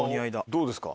どうですか？